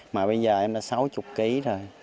mà bây giờ em đã sáu mươi kg rồi